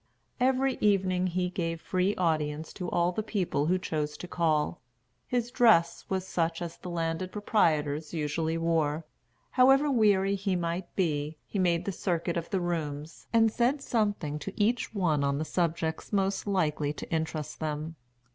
Every evening he gave free audience to all the people who chose to call. His dress was such as the landed proprietors usually wore. However weary he might be, he made the circuit of the rooms, and said something to each one on the subjects most likely to interest them.